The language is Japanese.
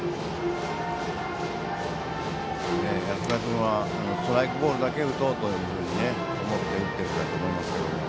安田君はストライクボールだけ打とうというふうに思って打っているんだと思いますけど。